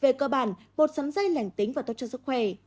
về cơ bản bột sắn dây lành tính và tốt cho sức khỏe